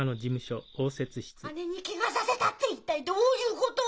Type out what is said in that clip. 姉にケガさせたって一体どういうこと！？